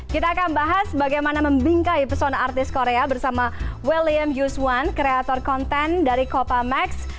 kita akan bahas bagaimana membingkai pesona artis korea bersama william yuswan kreator konten dari copa max